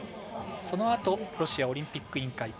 そのあとロシアオリンピック委員会